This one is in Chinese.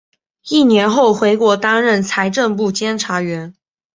一年后回国担任财政部监察员。